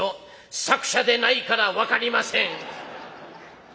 「作者でないから分かりません」。